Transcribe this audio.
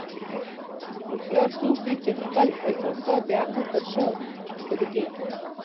هوښیار څوک دی چې خپل احساسات د عقل تر شا ږدي.